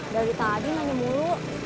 dari tadi nangis mulu